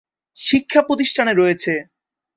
শিক্ষা প্রতিষ্ঠান রয়েছে-